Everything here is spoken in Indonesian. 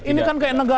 ini kan kayak negara